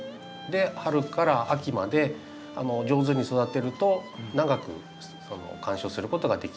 春から秋まで上手に育てると長く観賞することができるというですね